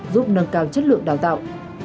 giúp nâng cao chất lượng đào tạo